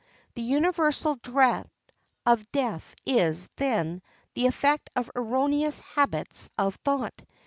The universal dread of death is, then, the effect of erroneous habits of thought.